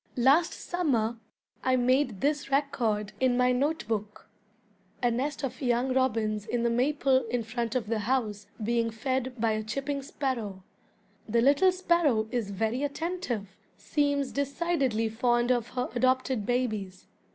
Last summer I made this record in my notebook: "A nest of young robins in the maple in front of the house being fed by a chipping sparrow. The little sparrow is very attentive; seems decidedly fond of her adopted babies.